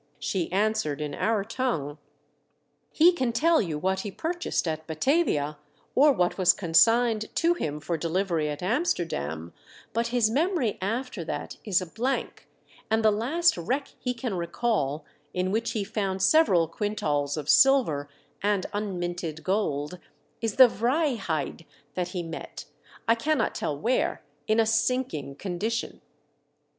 She answered in our tongue, " He can tell you what he purchased at Batavia, or what was consigned to him for delivery at Amster dam, but his memory after that is a blank, and the last wreck he can recall, in which he found several quintals of silver and unminted gold, is the Vryheid that he met — I cannot tell where — in a sinkinsf condition."